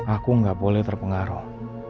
aku gak boleh terpengaruh